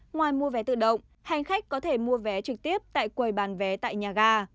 ngoài mua vé tự động hành khách có thể mua vé trực tiếp tại quầy bán vé tại nhà ga